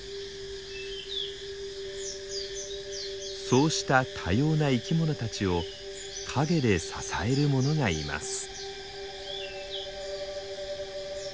そうした多様な生き物たちを陰で支えるものがいます。